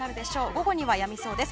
午後にはやみそうです。